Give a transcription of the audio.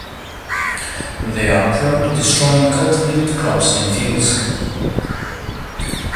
They are prone to destroying cultivated crops in fields.